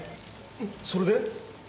それで？